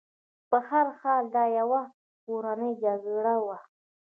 په هر حال دا یوه کورنۍ جګړه وه.